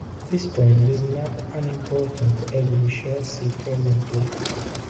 This point is not unimportant, as we shall see presently.